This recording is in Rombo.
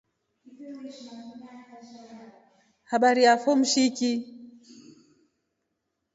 Habari yafo mshiki.